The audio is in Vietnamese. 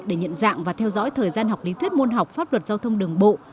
để nhận dạng và theo dõi thời gian học lý thuyết môn học pháp luật giao thông đường bộ